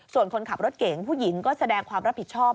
ส่วนคนขับรถเก่งผู้หญิงก็แสดงความรับผิดชอบ